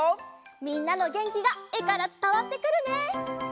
みんなのげんきがえからつたわってくるね！